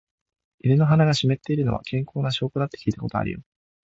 犬の鼻が湿っているのは、健康な証拠だって聞いたことあるよ。